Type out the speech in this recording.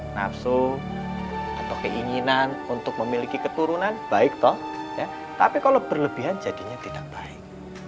nafsu atau keinginan untuk memiliki keturunan baik toh tapi kalau berlebihan jadinya tidak baik